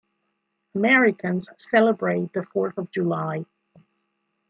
Americans celebrate the Fourth of July.